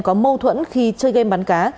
có mâu thuẫn khi chơi game bắn cá